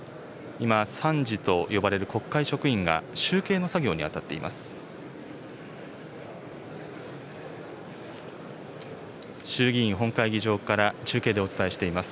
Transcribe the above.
今、参事と呼ばれる国会職員が、集計の作業に当たっています。